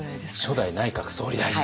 初代内閣総理大臣。